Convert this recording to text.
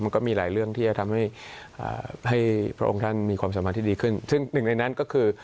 ขึ้นซึ่งคือ